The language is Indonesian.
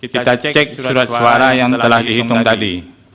kita cek surat suara yang telah dihitung tadi